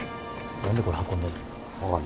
何でこれ運んでんの？